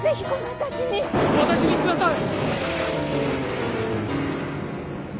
私にください！